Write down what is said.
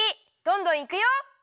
どんどんいくよ！